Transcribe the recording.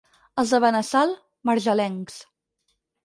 Els de Benassal, marjalencs.